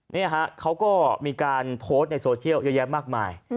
นี่ฮะเขาก็มีการโพสต์ในโซเชียลเยอะแยะมากมาย